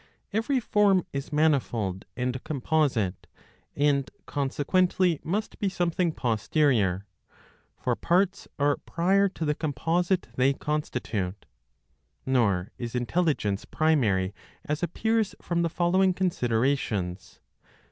Every form is manifold and composite, and consequently must be something posterior; for parts are prior to the composite they constitute. Nor is intelligence primary, as appears from the following considerations.